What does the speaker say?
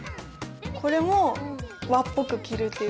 これも和っぽく着るっていう？